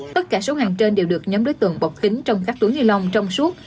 tất cả số hàng trên đều được nhắm đối tượng bọc kính trong các túi nilong trong suốt